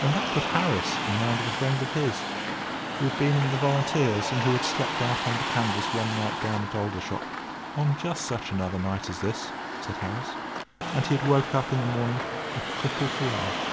And that put Harris in mind of a friend of his, who had been in the Volunteers, and who had slept out under canvas one wet night down at Aldershot, "on just such another night as this," said Harris; and he had woke up in the morning a cripple for life.